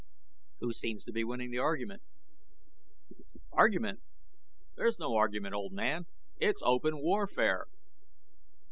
"Who seems to be winning the argument?" "Argument? There's no argument, old man it's open warfare.